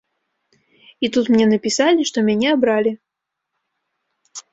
І тут мне напісалі, што мяне абралі!